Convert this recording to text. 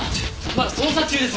まだ捜査中です！